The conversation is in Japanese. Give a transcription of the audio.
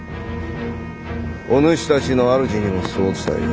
お主たちの主にもそう伝えよ。